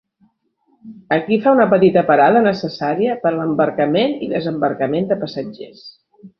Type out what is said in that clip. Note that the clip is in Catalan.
Aquí fa una petita parada necessària per a l'embarcament i desembarcament de passatgers.